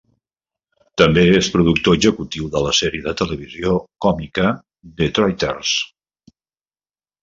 També és productor executiu de la sèrie de televisió còmica "Detroiters".